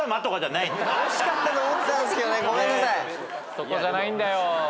そこじゃないんだよ。